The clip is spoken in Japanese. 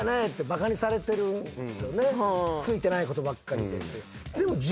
ついてないことばっかりで。